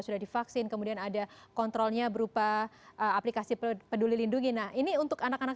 sudah divaksin kemudian ada kontrolnya berupa aplikasi peduli lindungi nah ini untuk anak anak